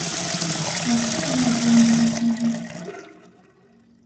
Rreẓ leɛzayem-nsen.